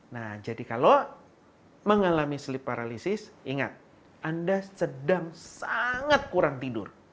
nah jadi kalau mengalami sleep paralysis ingat anda sedang sangat kurang tidur